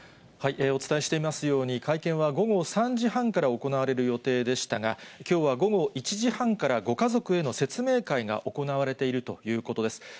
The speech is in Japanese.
お伝えしていますように、会見は午後３時半から行われる予定でしたが、きょうは午後１時半からご家族への説明会が行われているということです。